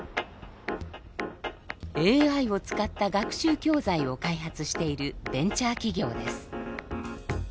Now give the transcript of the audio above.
ＡＩを使った学習教材を開発しているベンチャー企業です。